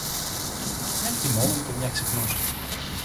Μια κοιμόμουν και μια ξυπνούσα